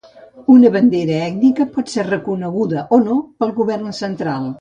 Una bandera ètnica pot ser reconeguda o no pel govern central.